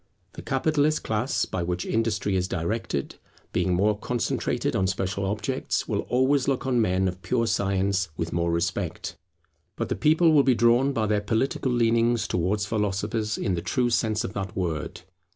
The Capitalist class by which industry is directed, being more concentrated on special objects, will always look on men of pure science with more respect. But the people will be drawn by their political leanings towards philosophers in the true sense of that word.